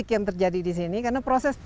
yang terjadi di sini karena proses